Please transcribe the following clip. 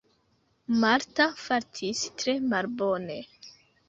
Marta fartis tre malbone.